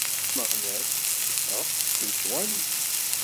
Ameɣlal iferreḥ s lecɣwal-is.